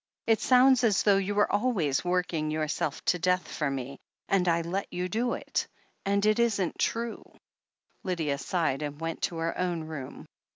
... It sounds as though you were always working yourself to death for me, and I let you do it — and it isn't true." Lydia sighed, and went to her own room.